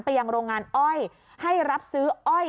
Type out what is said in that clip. ยังโรงงานอ้อยให้รับซื้ออ้อย